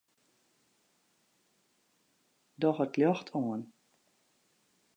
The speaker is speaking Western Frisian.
Doch it ljocht oan.